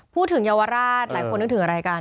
พูดถึงเยาวราชหลายคนเนื่องถึงอะไรกัน